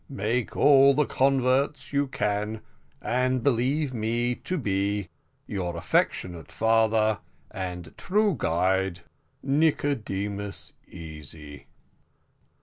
Make all the converts you can, and believe me to be, your affectionate father and true guide: "NICODEMUS EASY."